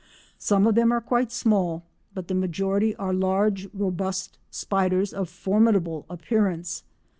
Some of them are quite small, but the majority are large robust spiders, of formidable appearance.